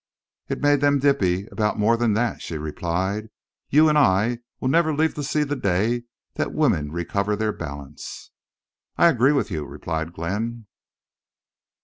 "It made them dippy about more than that," she replied. "You and I will never live to see the day that women recover their balance." "I agree with you," replied Glenn.